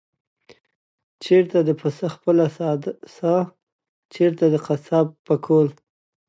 چېرته د پسه خپله ساه، چېرته د قصاب پوکل؟